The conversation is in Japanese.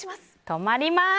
止まります！